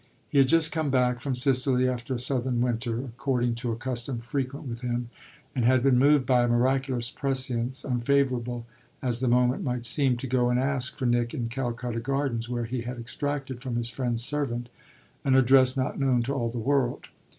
He had just come back from Sicily after a southern winter, according to a custom frequent with him, and had been moved by a miraculous prescience, unfavourable as the moment might seem, to go and ask for Nick in Calcutta Gardens, where he had extracted from his friend's servant an address not known to all the world.